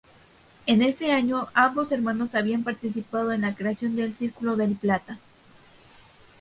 Ese año ambos hermanos habían participado en la creación del Círculo del Plata.